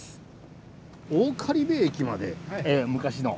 大狩部駅まで昔の。